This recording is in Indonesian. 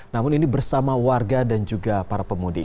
namun ini bersama warga dan juga para pemudik